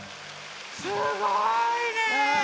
すごいね！